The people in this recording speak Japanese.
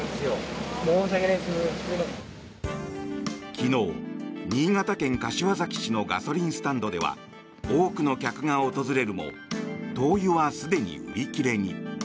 昨日、新潟県柏崎市のガソリンスタンドでは多くの客が訪れるも灯油はすでに売り切れに。